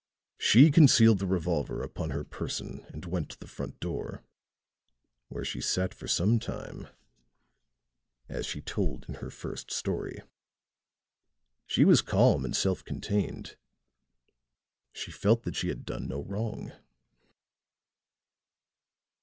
She concealed the revolver upon her person and went to the front door, where she sat for some time, as she told in her first story. She was calm and self contained she felt that she had done no wrong."